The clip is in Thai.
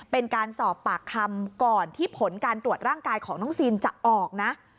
เป็นการสอบปากคำก่อนที่ผลการตรวจร่างกายของน้องซีนจะออกนะ